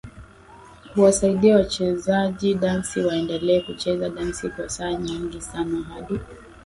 huwasaidia wachezajidansi waendelee kucheza dansi kwa saa nyingi sana hadi